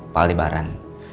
pak al ibaran